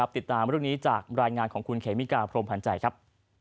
ติดตามเรื่องนี้จากรายงานของคุณเขมิกาพรมพันธ์ใจครับ